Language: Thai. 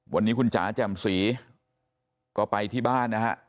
วันนี้คุณจ๋าแจ่มศรีก็ไปที่บ้านนะฮะ